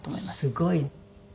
すごい。